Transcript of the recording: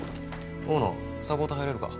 大野サポート入れるか。